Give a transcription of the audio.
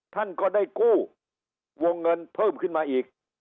ท่านก็ได้กู้วงเงินเพิ่มขึ้นมาอีก